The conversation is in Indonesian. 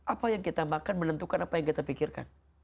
apa yang kita makan menentukan apa yang kita pikirkan